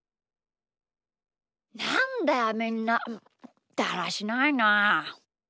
なんだよみんなだらしないなあ。